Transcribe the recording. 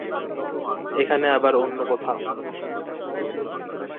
এখানে আবার অন্য কোথাও।